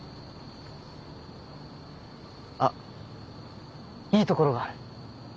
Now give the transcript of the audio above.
あいいところがある！